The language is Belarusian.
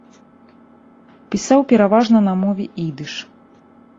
Пісаў пераважна на мове ідыш.